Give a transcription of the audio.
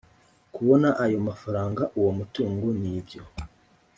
kubona ayo mafaranga uwo mutungo n ibyo